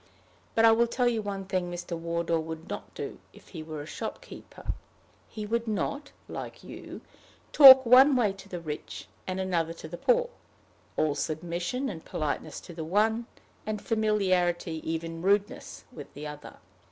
But I will tell you one thing Mr. Wardour would not do if he were a shopkeeper: he would not, like you, talk one way to the rich, and another way to the poor all submission and politeness to the one, and familiarity, even to rudeness, with the other!